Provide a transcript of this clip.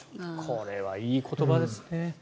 これはいい言葉ですね。